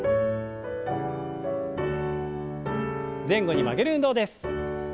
前後に曲げる運動です。